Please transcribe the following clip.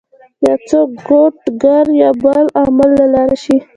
يا څوک کوډ ګر يا بل عامل له لاړ شي